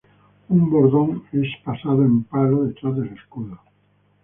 Un bordón es pasado en palo detrás del escudo.